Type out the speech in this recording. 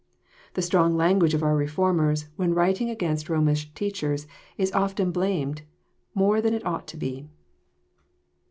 The strong language of our TTeformers, when writing against Romish teachers, is often blamed more than it ought to be.